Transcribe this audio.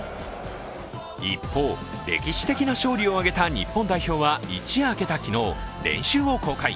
一方、歴史的な勝利を挙げた日本代表は一夜明けた昨日、練習を公開。